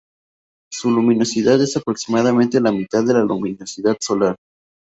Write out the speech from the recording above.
Su luminosidad es aproximadamente la mitad de la luminosidad solar.